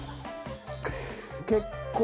結構。